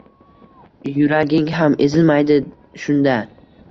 Yuraging ham ezilmaydi shunda.